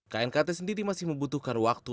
knkt sendiri masih membutuhkan waktu